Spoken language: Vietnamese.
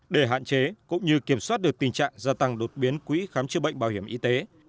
để hạn chế cũng như kiểm soát được tình trạng gia tăng đột biến quỹ khám chữa bệnh bảo hiểm y tế